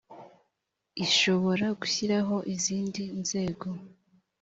ishobora gushiraho izindi nzego